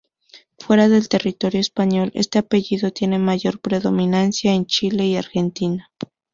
Fuera del territorio español este apellido tiene mayor predominancia en Chile y Argentina.